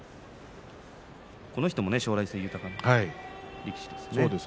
この人も将来性豊かですね。